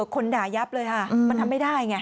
คนด่ายับเลยค่ะมันทำไม่ได้ไง